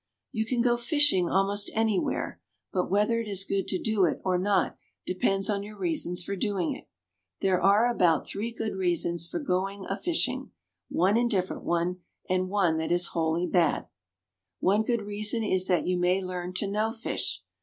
You can go fishing almost anywhere, but whether it is good to do it or not depends on your reasons for doing it. There are about three good reasons for going a fishing, one indifferent one, and one that is wholly bad. One good reason is that you may learn to know fish.